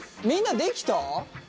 みんなできた？